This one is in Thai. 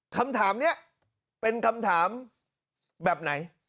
คำถามนี้เป็นคำถามแบบไหน